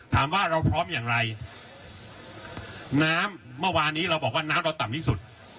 ถามว่าเราพร้อมอย่างไรน้ำเมื่อวานนี้เราบอกว่าน้ำเราต่ำที่สุด